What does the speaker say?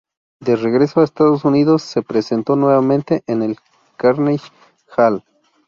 De regreso a Estados Unidos se presentó nuevamente en el "Carnegie Hall".